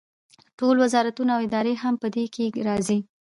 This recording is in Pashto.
ټول وزارتونه او ادارې هم په دې کې راځي.